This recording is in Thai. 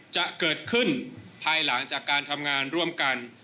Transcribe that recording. จะเกิดขึ้นภายหลังจากการทำงานร่วมกัน